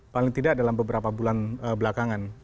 paling tidak dalam beberapa bulan belakangan